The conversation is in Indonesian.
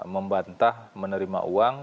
membantah menerima uang